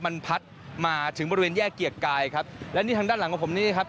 มันพัดมาถึงบริเวณแยกเกียรติกายครับและนี่ทางด้านหลังของผมนี่ครับ